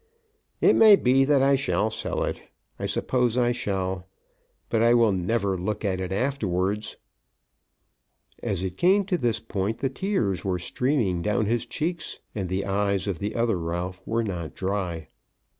It may be that I shall sell it. I suppose I shall. But I will never look at it afterwards." As it came to this point, the tears were streaming down his cheeks, and the eyes of the other Ralph were not dry.